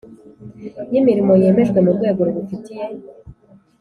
Y imirimo yemejwe n urwego rubifitiye